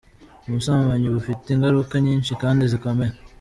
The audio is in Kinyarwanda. Ubusambanyi bufite ingaruka nyinshi kandi zikomeye.